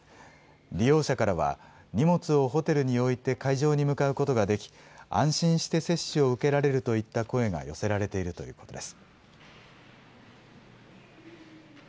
利用者からは、荷物をホテルに置いて会場に向かうことができ、安心して接種を受けられるといった声が寄せられているということです。